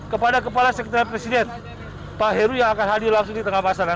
kepada kepala sekretariat presiden pak heru yang akan hadir langsung di tengah masyarakat